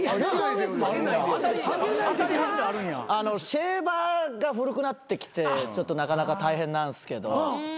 シェーバーが古くなってきてなかなか大変なんですけど。